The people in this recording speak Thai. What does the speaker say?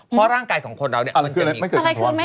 เพราะร่างกายของคนเราเนี้ยมันจะมีอะไรคือไม่เกิดการถาวร